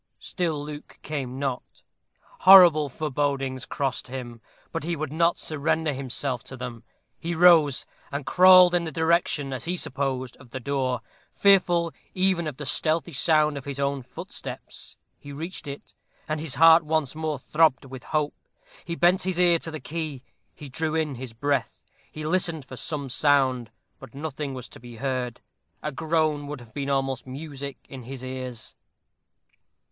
Still Luke came not. Horrible forebodings crossed him; but he would not surrender himself to them. He rose, and crawled in the direction, as he supposed, of the door fearful, even of the stealthy sound of his own footsteps. He reached it, and his heart once more throbbed with hope. He bent his ear to the key; he drew in his breath; he listened for some sound, but nothing was to be heard. A groan would have been almost music in his ears.